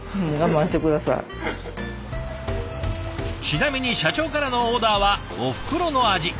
ちなみに社長からのオーダーはおふくろの味。